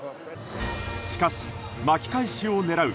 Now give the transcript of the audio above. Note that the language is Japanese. しかし、巻き返しを狙う